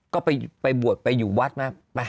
ก็ไปบวชไปอยู่วัดมา